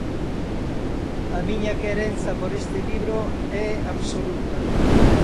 A miña querenza por este libro é absoluta.